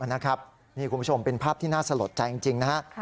นี่คุณผู้ชมเป็นภาพที่น่าสลดใจจริงนะฮะ